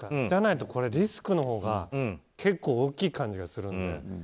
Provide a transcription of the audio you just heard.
じゃないとリスクのほうが結構大きい感じがするので。